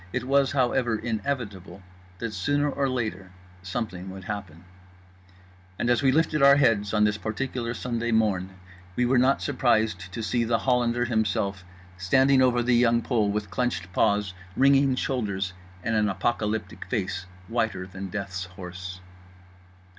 It was, however, inevitable that sooner or later something would happen—and as we lifted our heads on this particular Sunday morn we were not surprised to see The Hollander himself standing over The Young Pole, with clenched paws, wringing shoulders, and an apocalyptic face whiter than Death's horse.